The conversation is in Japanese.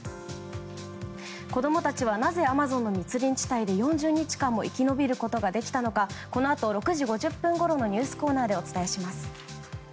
子供たちはなぜアマゾンの密林地帯で４０日間も生き延びることができたのかこのあと、６時５０分ごろのニュースコーナーでお伝えします。